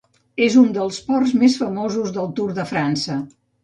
És un dels ports més famosos del Tour de França.